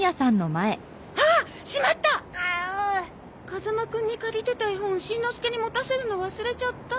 風間くんに借りてた絵本しんのすけに持たせるの忘れちゃった。